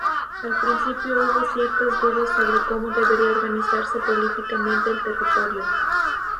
Al principio hubo ciertas dudas sobre cómo debería organizarse políticamente el territorio.